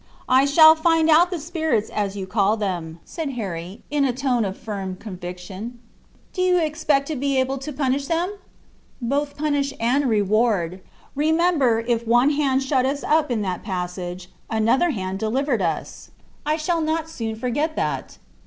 "I shall find out the spirits as you call them," said Harry, in a tone of firm conviction. "Do you expect to be able to punish them?" "Both punish and reward. Remember, if one hand shut us up in that passage, another hand delivered us! I shall not soon forget that."